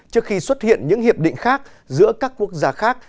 trước khi xuất hiện những hiệp định khác giữa các quốc gia khác